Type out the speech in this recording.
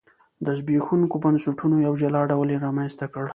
د زبېښونکو بنسټونو یو جلا ډول یې رامنځته کړ.